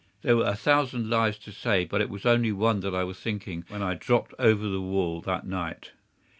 There were a thousand lives to save, but it was of only one that I was thinking when I dropped over the wall that night.